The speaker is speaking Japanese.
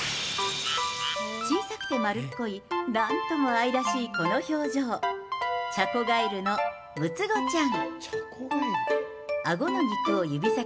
小さくて丸っこい、なんとも愛らしいこの表情、チャコガエルのむつごちゃん。